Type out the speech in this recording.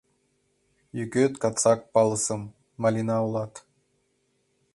— Йӱкет кыцак палысым — Малина улат!